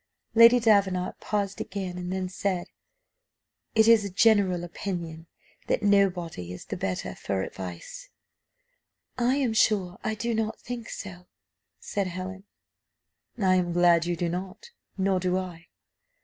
Lady Davenant paused again, and then said, "It is a general opinion, that nobody is the better for advice." "I am sure I do not think so," said Helen. "I am glad you do not; nor do I.